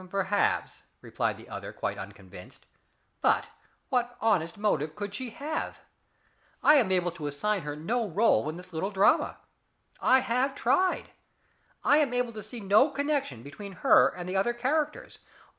"Perhaps," replied the other, quite unconvinced. "But what honest motive could she have? I am able to assign her no rôle in this little drama. I have tried. I am able to see no connection between her and the other characters.